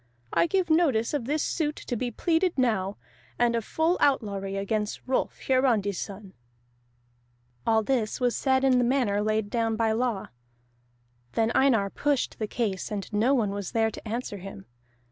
I give notice of this suit to be pleaded now, and of full outlawry against Rolf Hiarandi's son." All that was said in the manner laid down by law. Then Einar pushed the case, and no one was there to answer him.